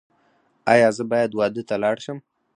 ایا زه باید واده ته لاړ شم؟